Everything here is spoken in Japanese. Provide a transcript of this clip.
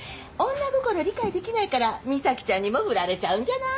女心理解できないから美咲ちゃんにもフラれちゃうんじゃない？